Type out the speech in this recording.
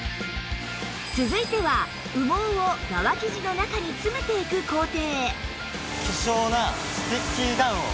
続いては羽毛を側生地の中に詰めていく工程